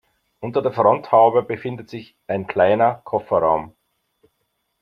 Unter der Fronthaube befindet sich ein kleiner Kofferraum.